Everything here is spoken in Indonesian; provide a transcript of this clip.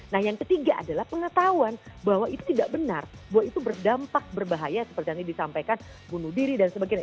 nah yang ketiga adalah pengetahuan bahwa itu tidak benar bahwa itu berdampak berbahaya seperti yang disampaikan bunuh diri dan sebagainya